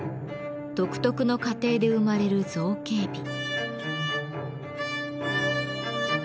独特の過程で生まれる造形美。